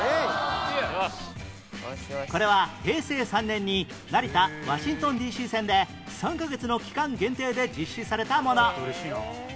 これは平成３年に成田ワシントン Ｄ．Ｃ． 線で３カ月の期間限定で実施されたもの